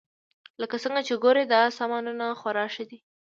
لکه څنګه چې ګورئ دا سامانونه خورا ښه دي